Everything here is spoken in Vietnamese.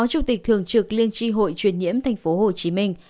phó chủ tịch thường trực liên tri hội truyền nhiễm thành phố hồ chí minh